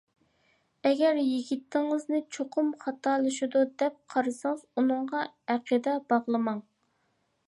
ئەگەر يىگىتىڭىزنى چوقۇم خاتالىشىدۇ دەپ قارىسىڭىز، ئۇنىڭغا ئەقىدە باغلىماڭ.